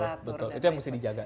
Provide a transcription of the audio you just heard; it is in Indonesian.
betul itu yang mesti dijaga